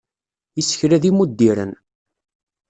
Isekla d imuddiren.